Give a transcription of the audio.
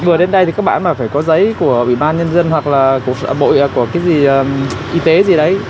vừa đến đây thì các bạn mà phải có giấy của ủy ban nhân dân hoặc là của cái gì y tế gì đấy